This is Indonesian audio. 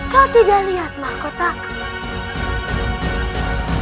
kau tidak lihat mahkotaku